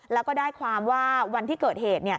แล้วก็ได้ความว่าวันที่เกิดเหตุ